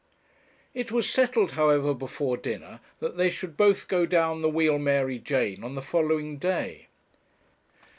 It was settled, however, before dinner, that they should both go down the Wheal Mary Jane on the following day.